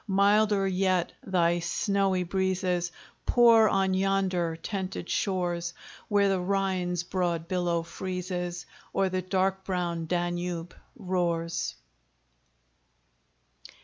Milder yet thy snowy breezes Pour on yonder tented shores, Where the Rhine's broad billow freezes, Or the dark brown Danube roars.